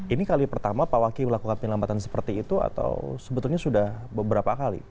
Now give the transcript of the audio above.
ini kali pertama pak waki melakukan penyelamatan seperti itu atau sebetulnya sudah beberapa kali